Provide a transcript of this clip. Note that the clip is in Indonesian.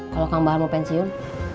kalau kang bahan mau pensiun